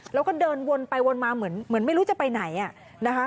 แล้วก็เดินวนไปวนมาเหมือนไม่รู้จะไปไหนนะคะ